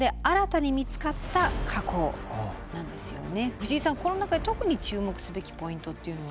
藤井さんこの中で特に注目すべきポイントっていうのは？